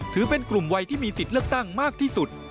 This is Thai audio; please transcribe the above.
ถือเป็นกลุ่มวัยที่มีสิทธิ์เลือกตั้งมากที่สุด